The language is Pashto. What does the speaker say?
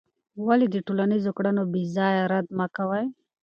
ولې د ټولنیزو کړنو بېځایه رد مه کوې؟